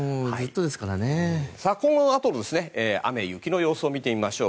今後の雨、雪の予想を見てみましょう。